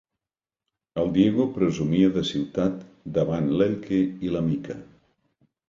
El Diego presumia de ciutat davant l'Elke i la Mica.